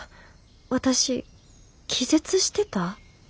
私気絶してた？